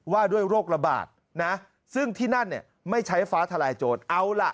ว่าด้วยโรคระบาดนะซึ่งที่นั่นเนี่ยไม่ใช้ฟ้าทลายโจรเอาล่ะ